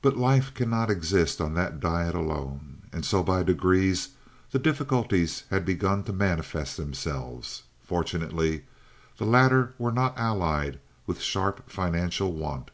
But life cannot exist on that diet alone, and so by degrees the difficulties had begun to manifest themselves. Fortunately, the latter were not allied with sharp financial want.